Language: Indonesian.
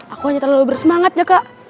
aku hanya terlalu bersemangat jaka